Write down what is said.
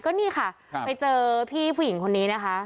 ก็นี่ค่ะไปเจอพี่ผู้หญิงคนนี้นะคะ